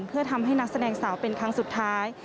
เพื่อทำให้นักแสดงสาวเป็นครั้งสุดท้าย